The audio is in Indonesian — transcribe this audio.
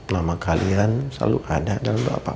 nama kalian selalu ada dalam bapak